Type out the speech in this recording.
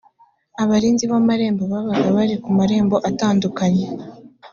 abarinzi b’amarembo babaga bari ku marembo atandukanye